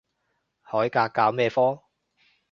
海格教咩科？